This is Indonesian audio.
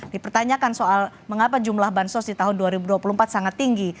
dipertanyakan soal mengapa jumlah bansos di tahun dua ribu dua puluh empat sangat tinggi